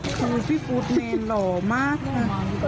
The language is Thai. โอ้โฮพี่ปู๊ดแมนหล่อมากค่ะ